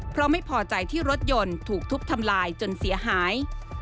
เพราะไม่พอใจที่รถยนต์ถูกทุบทำลายจนเสียหาย